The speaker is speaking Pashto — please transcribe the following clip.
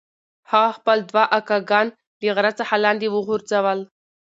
هغه خپل دوه اکاګان له غره څخه لاندې وغورځول.